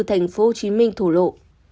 thành phố hồ chí minh thổ lộ